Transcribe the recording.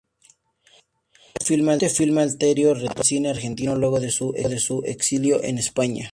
Con este filme Alterio retornó al cine argentino luego de su exilio en España.